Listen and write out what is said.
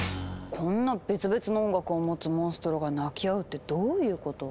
こんな別々の音楽を持つモンストロが鳴き合うってどういうこと？